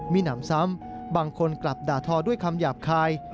มีหนำซ้ำบางคนกลับด่าทอด้วยคำหยาบคาย